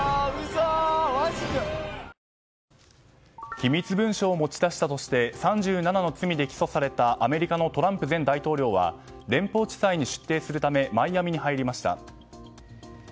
機密文書を持ち出したとして３７の罪で起訴されたアメリカのトランプ前大統領は連邦地裁に出廷するためマイアミに入りました。